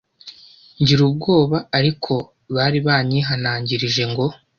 ngira ubwoba ariko bari banyihanangirije ngo